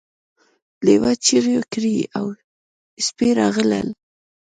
لیوه چیغې کړې او سپي راغلل.